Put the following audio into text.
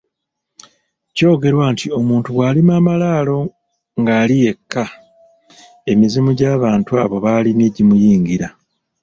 Kyogerwa nti omuntu bw'alima amalaalo ng'ali yekka, emizimu by'abantu abo b'alimye gimunyiigira.